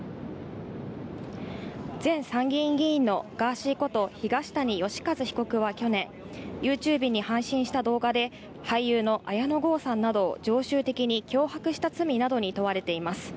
前参議院議員のガーシーこと、東谷義和被告は去年、ＹｏｕＴｕｂｅに配信した動画で、俳優の綾野剛さんなどを常習的に脅迫した罪などに問われています。